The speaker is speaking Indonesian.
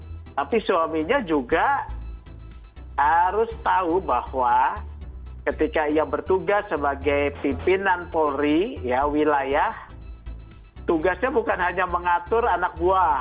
tapi suaminya juga harus tahu bahwa ketika ia bertugas sebagai pimpinan polri ya wilayah tugasnya bukan hanya mengatur anak buah